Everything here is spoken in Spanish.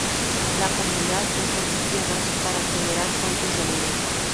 La comunidad usa sus tierras para generar fuentes de alimento.